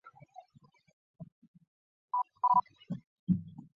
关于作者和年代历来有不同说法。